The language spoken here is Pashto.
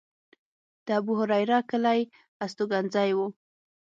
د ابوهریره کلی هستوګنځی و.